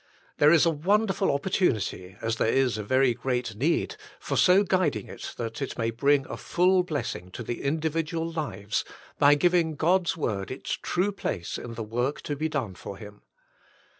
There is a wonderful opportunity, as there is a very great need, for so guiding it that it may bring a full blessing to the individual lives, by giving God's word its true place in the work to be done for Him.